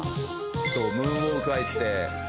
そうムーンウォーク入って。